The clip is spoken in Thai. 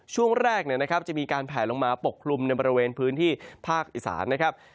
ช่วงแรกจะมีการแผลลงมาปกคลุมในบริเวณพื้นที่ภาคอีสานนะครับ